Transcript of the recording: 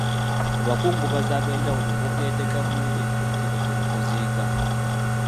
Abakungubazi ab’enjawulo boogeredde gavumenti ebikikinike mu kuziika.